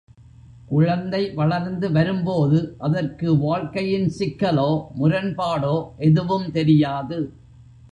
குழந்தை வளர்ந்து வரும்போது அதற்கு வாழ்க்கையின் சிக்கலோ, முரண்பாடோ, எதுவும் தெரியாது.